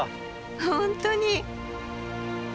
本当に！